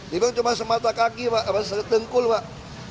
tiba tiba cuma semata kaki setengkul pak